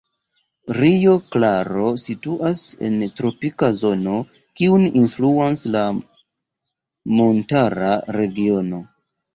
Rio Claro situas en tropika zono, kiun influas la montara regiono.